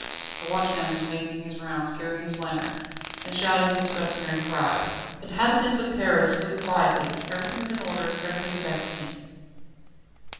The watchman was making his rounds, carrying his lantern, and shouting his customary cry: "Inhabitants of Paris, sleep quietly. Everything is in order, everything is at peace."